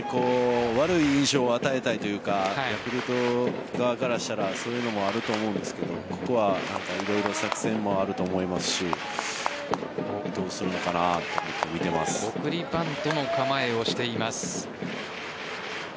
悪い印象を与えたいというかヤクルト側からしたらそういうのもあると思うんですけどここは色々作戦もあると思いますしここをどうするのかなと思って送りバントの構えをしています。